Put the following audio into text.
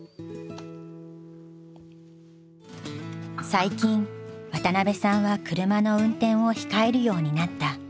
最近渡邉さんは車の運転を控えるようになった。